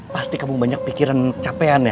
pasti kamu banyak pikiran capekan ya